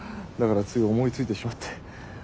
だからつい思いついてしまって。